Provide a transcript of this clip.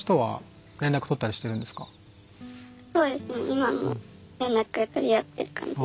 今も連絡取り合ってる感じ。